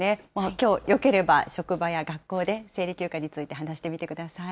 きょう、よければ職場や学校で生理休暇について話してみてください。